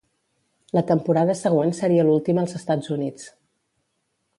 La temporada següent seria l'última als Estats Units.